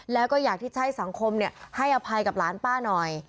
แล้วก็อยากที่ช่ายสังคมเนี่ยให้อภัยกับหลานป้าหน่อย